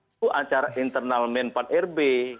itu acara internal men empat rb